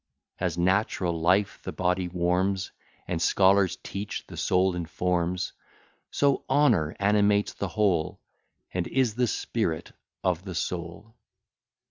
As natural life the body warms, And, scholars teach, the soul informs, So honour animates the whole, And is the spirit of the soul.